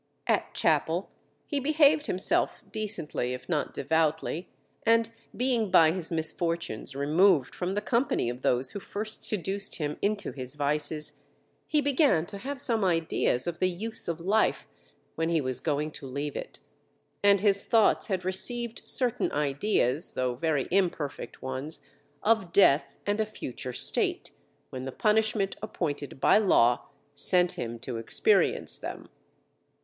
At chapel he behaved himself decently, if not devoutly, and being by his misfortunes removed from the company of those who first seduced him into his vices, he began to have some ideas of the use of life when he was going to leave it; and his thoughts had received certain ideas (though very imperfect ones) of death and a future state, when the punishment appointed by Law sent him to experience them.